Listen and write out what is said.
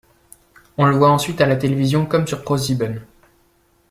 On la voit ensuite à la télévision comme sur ProSieben.